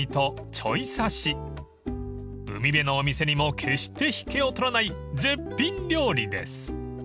［海辺のお店にも決して引けを取らない絶品料理です］